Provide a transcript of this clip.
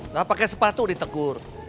nah pakai sepatu ditegur